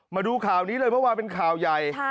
มาดูข่าวนี้เลยเมื่อวานเป็นข่าวใหญ่